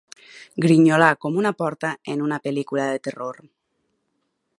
Grinyolar com una porta en una pel·lícula de terror.